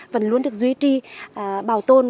vẫn luôn được duy trì bảo tồn